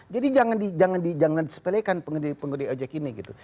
jadi jangan disepelekan pengemudi objek ini gitu